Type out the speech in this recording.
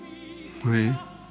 はい。